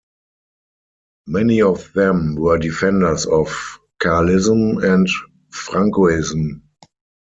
Many of them were defenders of Carlism and Francoism.